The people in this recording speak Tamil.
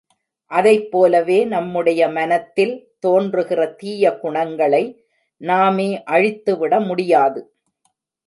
அதைப்போலவே நம்முடைய மனத்தில் தோன்றுகிற தீய குணங்களை நாமே அழித்துவிட முடியாது.